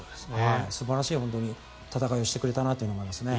素晴らしい戦いをしてくれたなと思いますね。